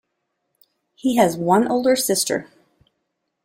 He has one older sister.